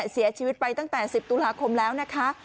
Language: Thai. เสียชีวิตไปตั้งแต่๑๐ตุลาคมแล้วนะคะ